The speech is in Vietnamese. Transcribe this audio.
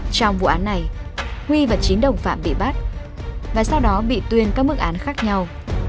trong vụ án này huy và chín đồng phạm bị bắt và sau đó bị tuyên các mức án khác nhau